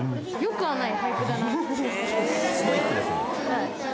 はい。